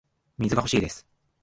水が欲しいです